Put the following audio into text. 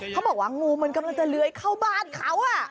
เขาบอกว่างูมันกำลังจะเลื้อยเข้าบ้านเขา